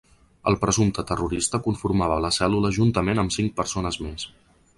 El presumpte terrorista conformava la cèl·lula juntament amb cinc persones més.